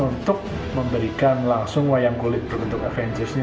untuk memberikan langsung wayang kulit berbentuk avengers ini